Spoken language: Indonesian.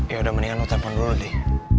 yaudah mendingan lu telfon dulu deh